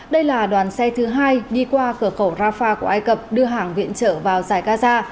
đây là đoàn xe thứ hai đi qua cửa khẩu rafah của ai cập đưa hàng viện trở vào giải gaza